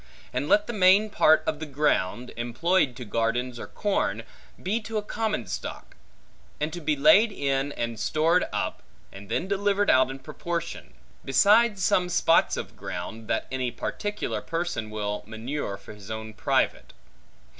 And let the main part of the ground, employed to gardens or corn, be to a common stock; and to be laid in, and stored up, and then delivered out in proportion; besides some spots of ground, that any particular person will manure for his own private.